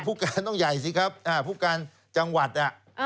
ผู้การต้องใหญ่สิครับผู้การจังหวัด